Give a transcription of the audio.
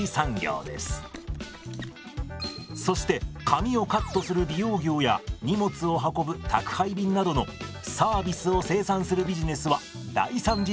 そして髪をカットする美容業や荷物を運ぶ宅配便などのサービスを生産するビジネスは第三次産業と呼ばれます。